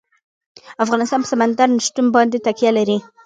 افغانستان په سمندر نه شتون باندې تکیه لري.